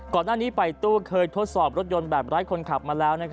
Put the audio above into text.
ก่อนหน้านี้ไปตู้เคยทดสอบรถยนต์แบบไร้คนขับมาแล้ว